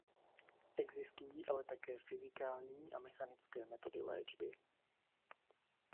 Existují ale také fyzikální a mechanické metody léčby.